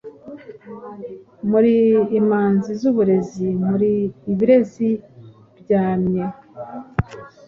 Muri imanzi z’uburezi, Muri ibirezi byamye